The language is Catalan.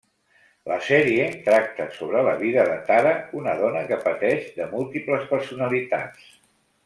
La sèrie tracta sobre la vida de Tara, una dona que pateix de múltiples personalitats.